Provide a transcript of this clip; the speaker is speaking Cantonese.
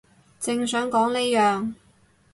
正想講呢樣